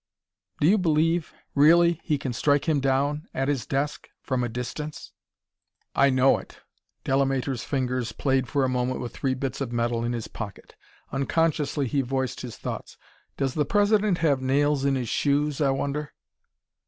"Do you believe really he can strike him down at his desk from a distance?" "I know it." Delamater's fingers played for a moment with three bits of metal in his pocket. Unconsciously he voiced his thoughts: "Does the President have nails in his shoes, I wonder?"